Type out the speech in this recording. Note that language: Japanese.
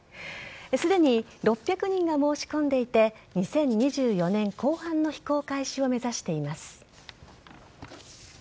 すでに６００人が申し込んでいて２０２４年後半の飛行開始を目指しています。